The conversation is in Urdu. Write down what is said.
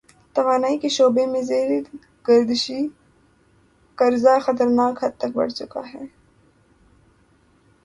توانائی کے شعبے میں زیر گردشی قرضہ خطرناک حد تک بڑھ چکا ہے۔